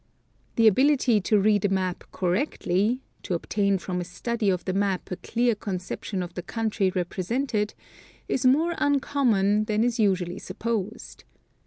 The ability to read a map correctly, — to obtain from a study of the map a clear con ception of the cou.ntry represented, — is more uncommon than is usually supposed.